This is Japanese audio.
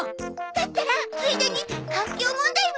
だったらついでに環境問題も入れましょ！